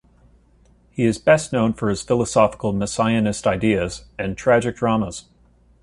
He is best known for his philosophical Messianist ideas and tragic dramas.